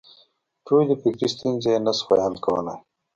ټولې فکري ستونزې یې نه شوای حل کولای.